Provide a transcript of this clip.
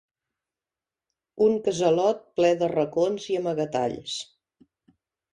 Un casalot ple de racons i amagatalls.